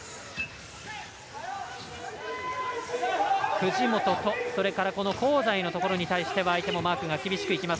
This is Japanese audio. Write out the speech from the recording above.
藤本と香西のところに対しては相手もマークが厳しくいきます。